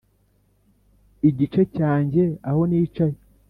igice cyanjye aho nicaye.